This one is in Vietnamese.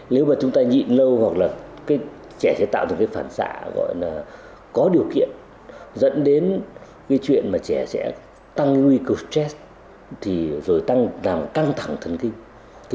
nếu mà chúng ta nhịn lâu trẻ sẽ tạo ra phản xạ có điều kiện dẫn đến chuyện trẻ sẽ tăng nguy cơ stress rồi tăng thẳng thần kinh